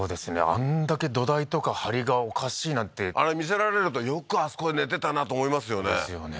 あんだけ土台とか梁がおかしいなんてあれ見せられるとよくあそこで寝てたなと思いますよねですよね